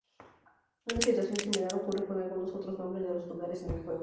Una situación similar ocurre con algunos otros nombres de los lugares en el juego.